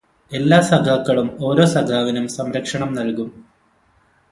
എല്ലാ സഖാക്കളും ഓരോ സഖാവിനും സംരക്ഷണം നൽകും.